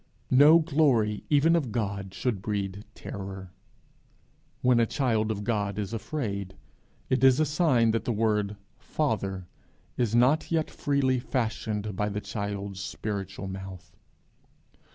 No glory even of God should breed terror; when a child of God is afraid, it is a sign that the word Father is not yet freely fashioned by the child's spiritual mouth.